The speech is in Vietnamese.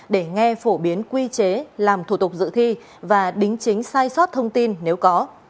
để nghe phổ biến quy chế làm thủ tục dự thi và đính chính sai sót thông tin nếu có